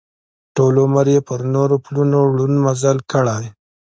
ټول عمر یې پر نورو پلونو ړوند مزل کړی.